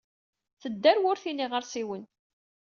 Tedda ɣer wurti n yiɣseriwen.